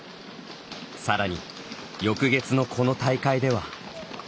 さらに翌月のこの大会では。